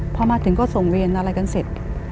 พอมาถึงก็ส่งเวรอะไรกันเสร็จ